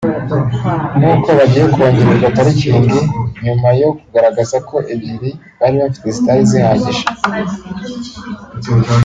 ni uko bagiye kongererwa parikingi nyuma yo kugaragaza ko ebyiri bari bafite zitari zihagije